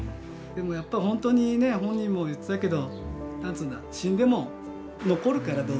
でもやっぱ本当にね本人も言ってたけど死んでも残るから道具は。